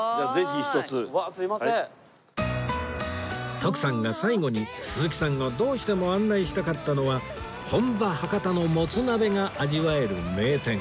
徳さんが最後に鈴木さんをどうしても案内したかったのは本場博多のもつ鍋が味わえる名店